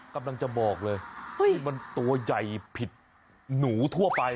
กำลังจะบอกเลยมันตัวใหญ่ผิดหนูทั่วไป